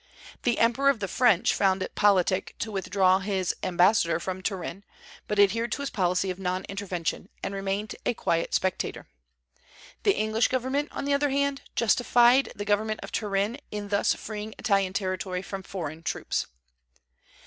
The Emperor of the French found it politic to withdraw his ambassador from Turin, but adhered to his policy of non intervention, and remained a quiet spectator. The English government, on the other hand, justified the government of Turin in thus freeing Italian territory from foreign troops.